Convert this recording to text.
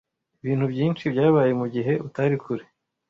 Ibintu byinshi byabaye mugihe utari kure.